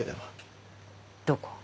どこ？